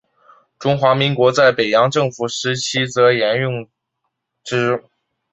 中华民国在北洋政府时期则沿用之。